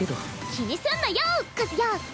気にすんなよ和也！